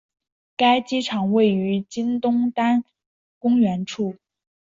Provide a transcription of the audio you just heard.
该机场位于今东单公园处。